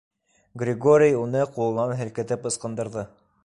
Григорий уны ҡулынан һелкетеп ысҡындырҙы.